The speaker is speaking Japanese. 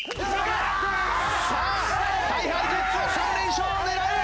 さあＨｉＨｉＪｅｔｓは３連勝を狙う！